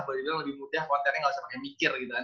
bisa lebih mudah kontennya gak usah mikir gitu kan